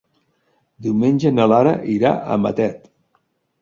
Diumenge na Lara irà a Matet.